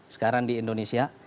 sekarang di indonesia